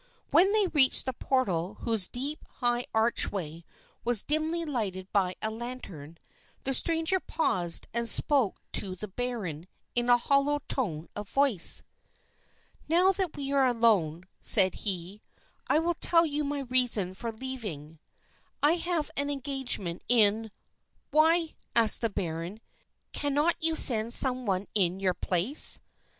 When they reached the portal whose deep, high archway was dimly lighted by a lantern, the stranger paused and spoke to the baron in a hollow tone of voice. "Now that we are alone," said he, "I will tell you my reason for leaving. I have an engagement in " "Why," asked the baron, "cannot you send some one in your place?"